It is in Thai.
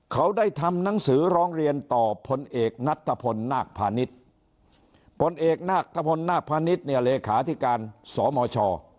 เขาได้ทำหนังสือร้องเรียนต่อพลเอกนัทพลนาคพาณิชย์ผลเอกนาคทะพลนาคพาณิชย์เนี่ยเลขาธิการสมช